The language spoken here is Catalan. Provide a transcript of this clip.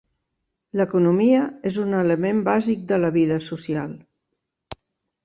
L'economia és un element bàsic de la vida social.